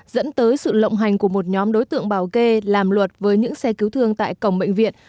dẫn tới sự lộng hành của một nhóm đối tượng bảo kê làm luật với những xe cứu thương tại cổng bệnh viện